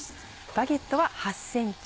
バゲットは８ｃｍ。